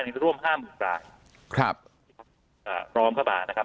ร่วมห้าหมื่นรายครับอ่าพร้อมเข้ามานะครับ